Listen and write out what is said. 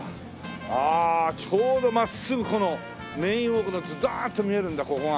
ああちょうど真っすぐこのメインウォークがズドーンと見えるんだここが。